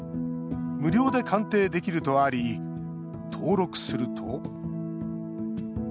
無料で鑑定できるとあり登録すると。